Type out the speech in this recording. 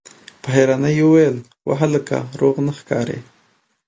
په حيرانۍ يې وويل: وه هلکه! روغ نه ښکارې!